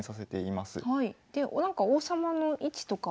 でなんか王様の位置とか。